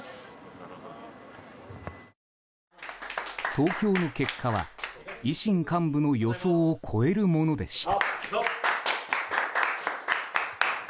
東京の結果は維新幹部の予想を超えるものでした。